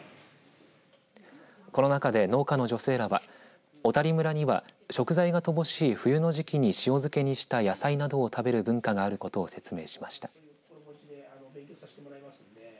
この中で農家の女性らは小谷村には食材が乏しい冬の時期に塩漬けにした野菜などを食べる文化があることを説明しました。